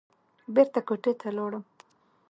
بېرته کوټې ته لاړم.